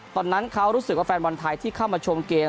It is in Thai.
ตอนนั้นเขารู้สึกว่าแฟนบอลไทยที่เข้ามาชมเกม